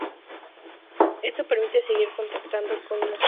Esto permite seguir contando con un espacio de luz natural y ventilado.